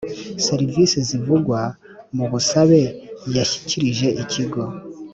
Serivisi zivugwa mu busabe yashyikirije ikigo